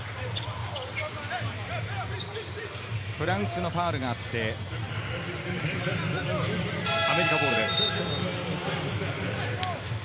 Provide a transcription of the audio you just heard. フランスのファウルがあって、アメリカボールです。